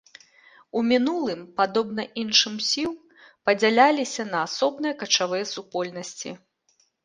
У мінулым, падобна іншым сіў, падзяляліся на асобныя качавыя супольнасці.